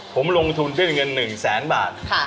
ผมลงทุนด้วยเงิน๑แสนบาท